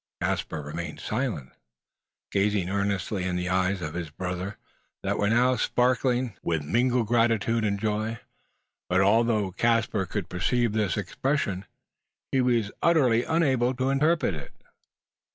Caspar remained silent, gazing earnestly in the eyes of his brother, that were now sparkling with mingled gratitude and joy. But although Caspar could perceive this expression, he was utterly unable to interpret it.